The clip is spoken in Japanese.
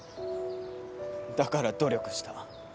だから努力した。